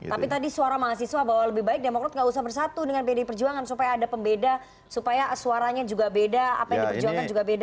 tapi tadi suara mahasiswa bahwa lebih baik demokrat nggak usah bersatu dengan pdi perjuangan supaya ada pembeda supaya suaranya juga beda apa yang diperjuangkan juga beda